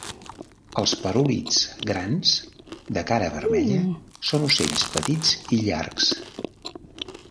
Els parúlids grans de cara vermella són ocells petits i llargs.